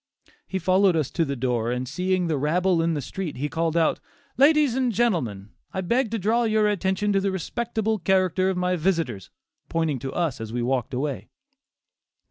He followed us to the door, and seeing the rabble in the street he called out, "ladies and gentlemen, I beg to draw your attention to the respectable character of my visitors," pointing to us as we walked away.